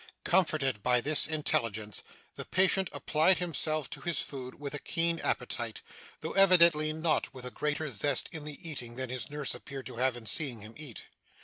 Comforted by this intelligence, the patient applied himself to his food with a keen appetite, though evidently not with a greater zest in the eating than his nurse appeared to have in seeing him eat.